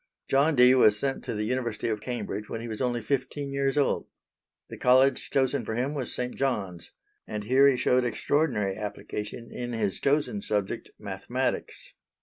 John Dee was sent to the University of Cambridge when he was only fifteen years old. The College chosen for him was St. John's, and here he showed extraordinary application in his chosen subject, mathematics.